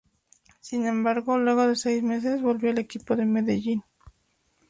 Sin embargo, luego de seis meses, volvió al equipo de Medellín.